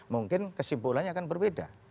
mungkin kesimpulannya akan berbeda